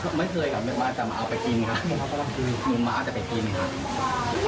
ก็ไม่เคยแก่มาแต่มาเอาไปกินนะคะ